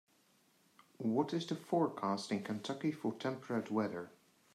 What is the forecast in Kentucky for temperate weather